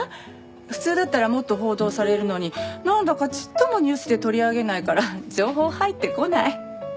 普通だったらもっと報道されるのになんだかちっともニュースで取り上げないから情報入ってこない。